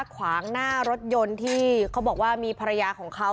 ขวางหน้ารถยนต์ที่เขาบอกว่ามีภรรยาของเขา